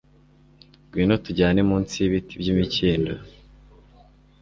ngwino tujyane munsi y'ibiti by'imikindo